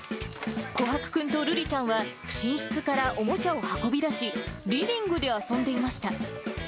琥珀君と瑠璃ちゃんは寝室からおもちゃを運び出し、リビングで遊んでいました。